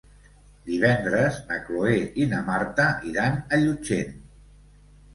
Divendres na Cloè i na Marta iran a Llutxent.